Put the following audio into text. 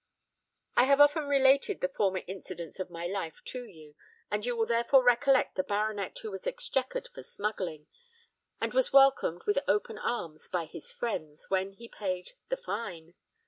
I have often related the former incidents of my life to you; and you will therefore recollect the baronet who was exchequered for smuggling, and was welcomed with open arms by his friends, when he paid the fine.